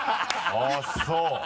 あぁそう。